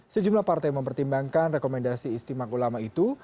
sejumlah partai mempertimbangkan rekomendasi istimewa ulama itu